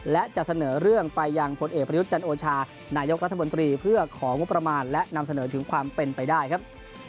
และจะเสนอเรื่องไปยังพลเอกประยุทธ์จันโอชานายกรัฐมนตรีเพื่อของงบประมาณและนำเสนอถึงความเป็นไปได้ครับ